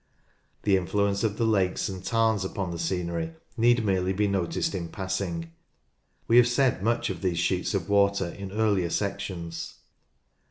The influence of the lakes and tarns upon the scenery need merely be noticed in passing. We have said much of these sheets of water in earlier sections.